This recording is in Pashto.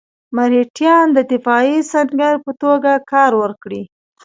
مرهټیان د دفاعي سنګر په توګه کار ورکړي.